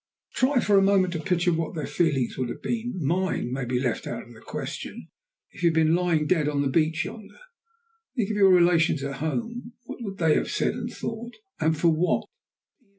Try for a moment to picture what their feelings would have been mine may be left out of the question if you had been lying dead on the beach yonder. Think of your relations at home. What would they have said and thought? And for what?"